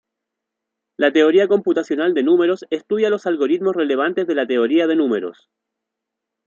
La teoría computacional de números estudia los algoritmos relevantes de la teoría de números.